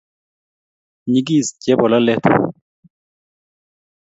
Nyigis chebololet